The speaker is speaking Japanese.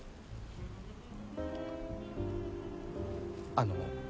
あの。